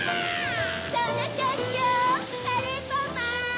そのちょうしよカレーパンマン！